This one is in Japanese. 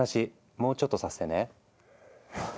もうちょっとさせてね。